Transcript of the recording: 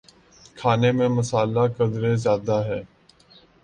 کھانے میں مصالحہ قدرے زیادہ ہے